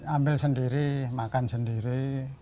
ambil sendiri makan sendiri